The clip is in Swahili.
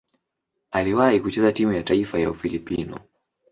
Aliwahi kucheza timu ya taifa ya Ufilipino.